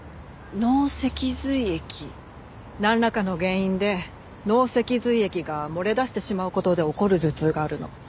なんらかの原因で脳脊髄液が漏れ出してしまう事で起こる頭痛があるの。